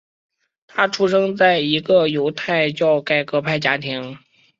他出生在一个犹太教改革派家庭。